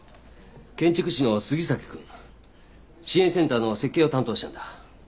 建築士の杉崎くん。支援センターの設計を担当したんだ。